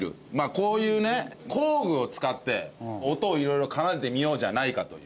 こういうね工具を使って音を色々奏でてみようじゃないかという。